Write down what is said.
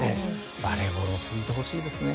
バレーボールも続いてほしいですね。